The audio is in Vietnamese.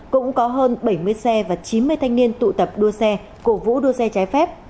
cũng có hơn bảy mươi xe và chín mươi thanh niên tụ tập đua xe cổ vũ đua xe trái phép